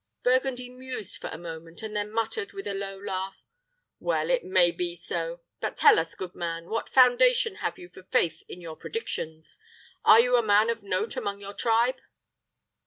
Burgundy mused for a moment, and then muttered, with a low laugh, "Well, it may be so. But tell us, good man, what foundation have we for faith in your predictions? Are you a man of note among your tribe?"